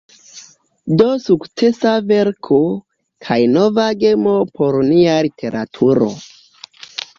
Do sukcesa verko, kaj nova gemo por nia literaturo.